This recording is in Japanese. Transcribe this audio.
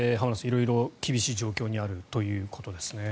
色々厳しい状況にあるということですね。